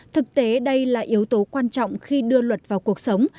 thực tế đây là yếu tố quan trọng khi đưa luật vào cuộc sống